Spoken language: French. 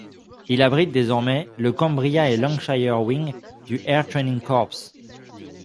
Il abrite désormais le Cumbria & Lancashire Wing, du Air Training Corps.